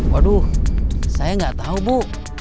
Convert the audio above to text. waduh saya nggak tahu bu